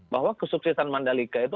bahwa kesuksesan mandalika itu